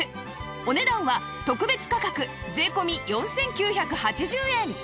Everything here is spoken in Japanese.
お値段は特別価格税込４９８０円